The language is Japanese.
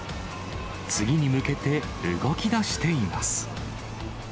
次に向けて動きだしています。